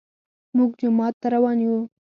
موږ جومات ته روان يو